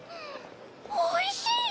おいしい！